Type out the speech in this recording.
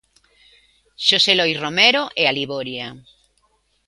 Xosé Lois Romero e Aliboria.